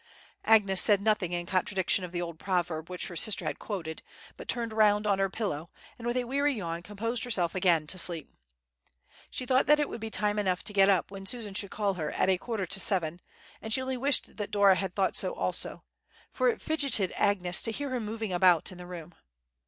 '" Agnes said nothing in contradiction of the old proverb which her sister had quoted, but turned round on her pillow, and with a weary yawn composed herself again to sleep. She thought that it would be time enough to get up when Susan should call her at a quarter to seven, and she only wished that Dora had thought so also, for it fidgeted Agnes to hear her moving about in the room.